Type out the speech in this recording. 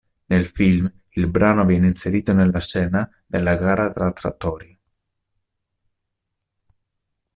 Nel film il brano viene inserito nella scena della gara tra trattori.